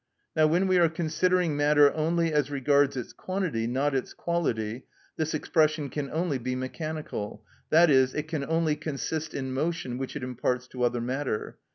Now when we are considering matter only as regards its quantity, not its quality, this expression can only be mechanical, i.e., it can only consist in motion which it imparts to other matter.